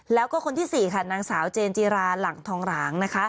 แล้วก็คนที่๔ค่ะนางสาวเจนจิราหลังทองหลางนะคะ